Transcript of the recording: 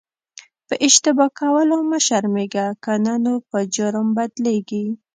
په اشتباه کولو مه شرمېږه که نه نو په جرم بدلیږي.